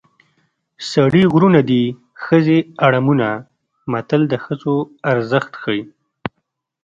سړي غرونه دي ښځې اړمونه متل د ښځو ارزښت ښيي